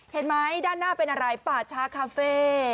เห็นไหมด้านหน้าเป็นอะไรป่าชาคาเฟ่